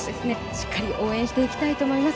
しっかり応援していきたいと思います。